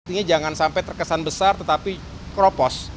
artinya jangan sampai terkesan besar tetapi keropos